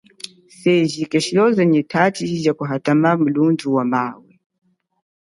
Seji keeshi tachi alioze kaathama mu milundu ya mawe.